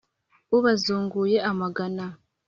ubazunguye amagana.